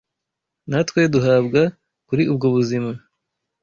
natwe duhabwa kuri ubwo buzima